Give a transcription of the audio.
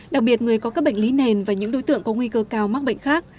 đặc biệt người có các bệnh lý nền và những đối tượng có nguy cơ cao mắc bệnh khác